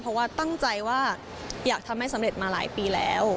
เพราะว่าตั้งใจว่าอยากทำให้สำเร็จมาหลายปีแล้ว